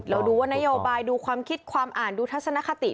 ดูว่านโยบายดูความคิดความอ่านดูทัศนคติ